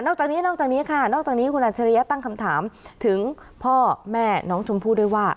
จากนี้นอกจากนี้ค่ะนอกจากนี้คุณอัจฉริยะตั้งคำถามถึงพ่อแม่น้องชมพู่ด้วยว่า